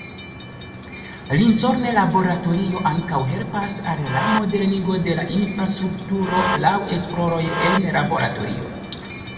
Lincoln Laboratorio ankaŭ helpas al la modernigo de la infrastrukturo laŭ esploroj en laboratorio.